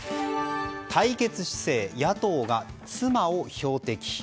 対決姿勢、野党が妻を標的。